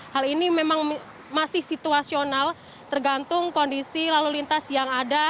hal ini memang masih situasional tergantung kondisi lalu lintas yang ada